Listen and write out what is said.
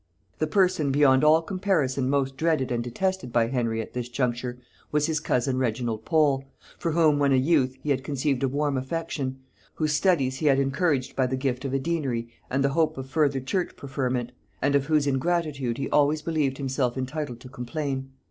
The person beyond all comparison most dreaded and detested by Henry at this juncture was his cousin Reginald Pole, for whom when a youth he had conceived a warm affection, whose studies he had encouraged by the gift of a deanery and the hope of further church preferment, and of whose ingratitude he always believed himself entitled to complain.